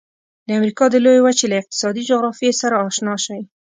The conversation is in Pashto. د امریکا د لویې وچې له اقتصادي جغرافیې سره آشنا شئ.